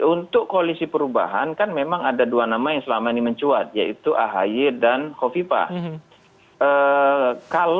untuk koalisi perubahan kan memang ada dua nama yang selama ini mencuat yaitu ahy dan hovipa